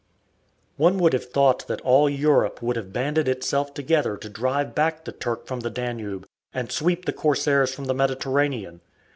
One would have thought that all Europe would have banded itself together to drive back the Turk from the Danube and sweep the corsairs from the Mediterranean.